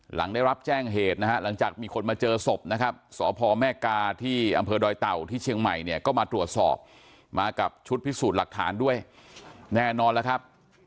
หลังได้รับแจ้งเหตุนะฮะหลังจากมีคนมาเจอศพนะครับสพแม่กาที่อำเภอดอยเต่าที่เชียงใหม่เนี่ยก็มาตรวจสอบมากับชุดพิสูจน์หลักฐานด้วยแน่นอนแล้วครับ